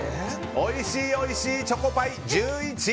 おいしいおいしいチョコパイ１１位。